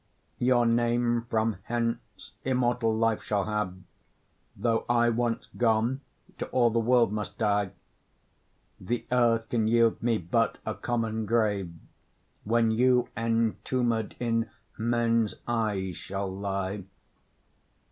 Your name from hence immortal life shall have, Though I, once gone, to all the world must die: The earth can yield me but a common grave, When you entombed in men's eyes shall lie.